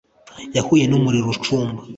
Yahuye numuriro ucumba